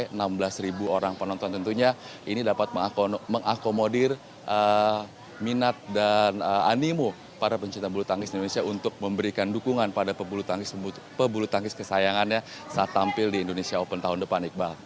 jadi orang penonton tentunya ini dapat mengakomodir minat dan animo para pencipta bulu tangkis indonesia untuk memberikan dukungan pada pebulu tangkis kesayangannya saat tampil di indonesia open tahun depan iqbal